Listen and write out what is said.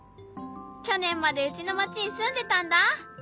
去年までうちの町に住んでたんだ。